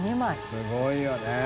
すごいよね。